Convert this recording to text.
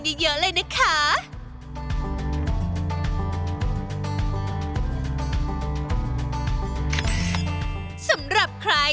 ก็จะเชิญชวนน้ำชมทางบ้านที่